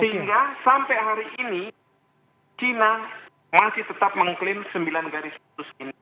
sehingga sampai hari ini china masih tetap mengklaim sembilan garis putus ini